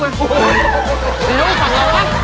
อิจฉาทั้งประเทศเลยสั่งเราบ้าง